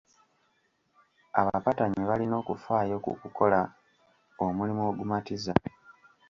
Abapatanyi balina okufaayo ku kukola omulimu ogumatiza.